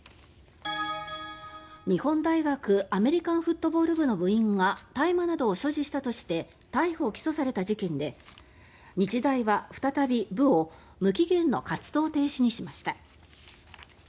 日本大学アメリカンフットボール部の部員が大麻などを所持したとして逮捕・起訴された事件で日大は再び、部を無期限の活動停止にしました。